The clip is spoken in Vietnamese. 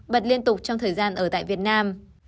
bật liên tục trong thời gian ở tại việt nam